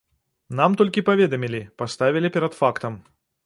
Нам толькі паведамілі, паставілі перад фактам.